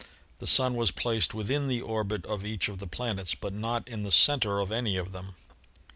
The Sun was placed within the orbit of each of the plan ets, but not in the center of any of them.